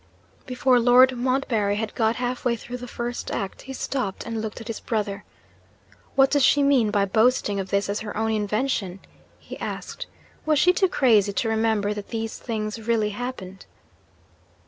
Before Lord Montbarry had got half way through the First Act, he stopped, and looked at his brother. 'What does she mean by boasting of this as her own invention?' he asked. 'Was she too crazy to remember that these things really happened?'